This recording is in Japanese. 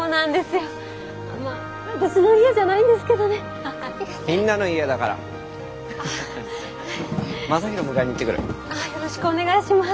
よろしくお願いします。